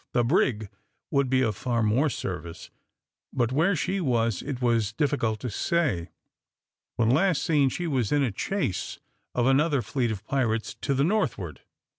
The brig would be of far more service; but where she was, it was difficult to say. When last seen, she was in a chase of another fleet of pirates to the northward.